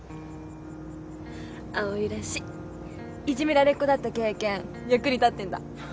いじめられっ子だった経験役に立ってんだ。